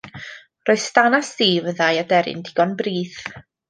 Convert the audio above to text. Roedd Stan a Steve yn ddau aderyn digon brith.